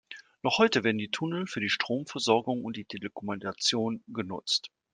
Noch heute werden die Tunnel für die Stromversorgung und die Telekommunikation genutzt.